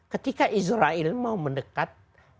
ketika israel mau mendekat